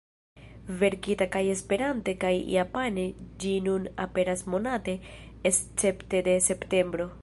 Verkita kaj Esperante kaj Japane ĝi nun aperas monate escepte de septembro.